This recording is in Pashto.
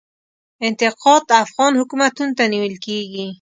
انتقاد افغان حکومتونو ته نیول کیږي.